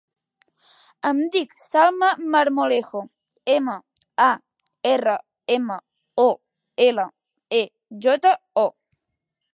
Em dic Salma Marmolejo: ema, a, erra, ema, o, ela, e, jota, o.